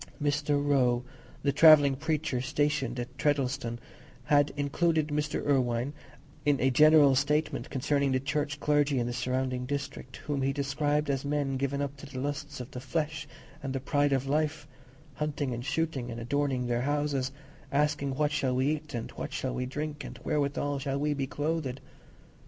Mr. Roe, the "travelling preacher" stationed at Treddleston, had included Mr. Irwine in a general statement concerning the Church clergy in the surrounding district, whom he described as men given up to the lusts of the flesh and the pride of life; hunting and shooting, and adorning their own houses; asking what shall we eat, and what shall we drink, and wherewithal shall we be clothed?